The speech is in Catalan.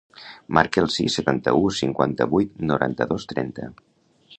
Marca el sis, setanta-u, cinquanta-vuit, noranta-dos, trenta.